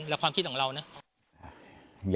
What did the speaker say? ความคิดของเรานะ